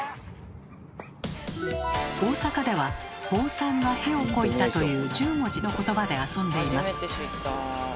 大阪では「ぼうさんがへをこいた」という１０文字のことばで遊んでいます。